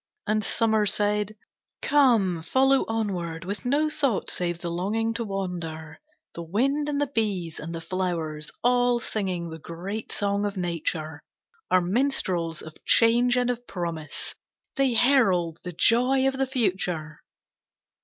And Summer said, "Come, follow onward, with no thought save the longing to wander, The wind, and the bees, and the flowers, all singing the great song of Nature, Are minstrels of change and of promise, they herald the joy of the Future."